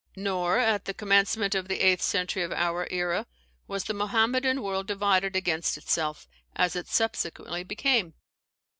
Nor, at the commencement of the eighth century of our era, was the Mohammedan world divided against itself, as it subsequently became.